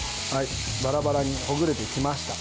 バラバラにほぐれてきました。